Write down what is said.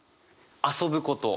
遊ぶこと。